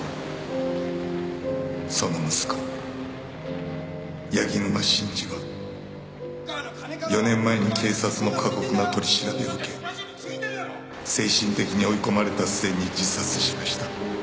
その息子柳沼真治は４年前に警察の過酷な取り調べを受け精神的に追い込まれた末に自殺しました。